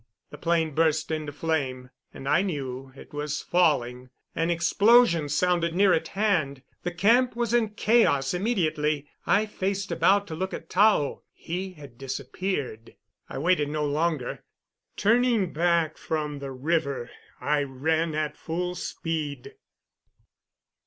The plane burst into flame, and I knew it was falling. An explosion sounded near at hand. The camp was in chaos immediately. I faced about to look at Tao; he had disappeared. I waited no longer. Turning back from the river, I ran at full speed.